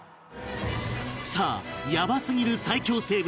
さあヤバすぎる最恐生物